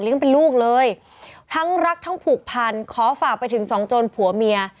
เป็นลูกเลยทั้งรักทั้งผูกพันขอฝากไปถึงสองโจรผัวเมีย